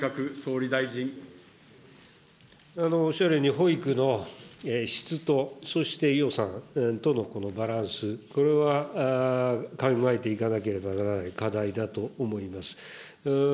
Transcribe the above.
おっしゃるように、保育の質と、そして予算とのバランス、これは考えていかなければならない課題だと思います。